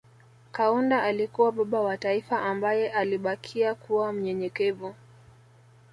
Kaunda alikuwa baba wa taifa ambaye alibakia kuwa mnyenyekevu